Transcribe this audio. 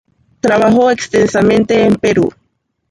Trabajó extensamente en Perú.